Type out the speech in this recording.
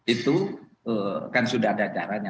itu kan sudah ada caranya